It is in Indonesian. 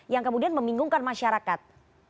yang kemudian membingungkan masyarakat